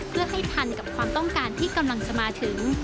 เพื่อให้ทันกับความต้องการที่กำลังจะมาถึง